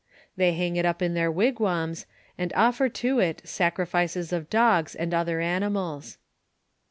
They hang it up in their wigwams, and oflTor to it saorifice* of dogs and otlior animals.